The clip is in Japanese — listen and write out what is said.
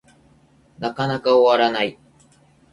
なかなか終わらない